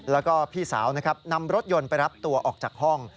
และพี่สาวนำรถยนต์ไปรับตัวออกจากห้อง